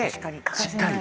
しっかり